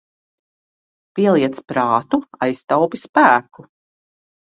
Pieliec prātu, aiztaupi spēku.